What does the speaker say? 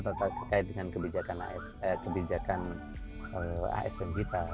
terkait dengan kebijakan asn kita